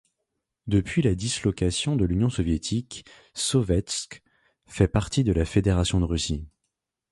Depuis la dislocation de l'Union soviétique, Sovetsk fait partie de la Fédération de Russie.